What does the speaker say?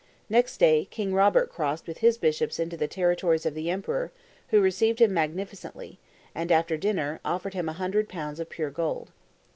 Next day, King Robert crossed with his bishops into the territories of the emperor, who received him magnificently, and, after dinner, offered him a hundred pounds of pure gold.